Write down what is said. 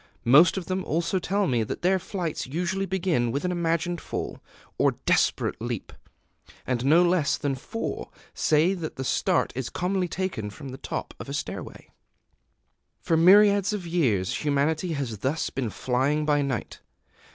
Most of them also tell me that their flights usually begin with an imagined fall, or desperate leap; and no less than four say that the start is commonly taken from the top of a stairway. [Decoration] For myriads of years humanity has thus been flying by night.